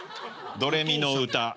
「ドレミの歌」。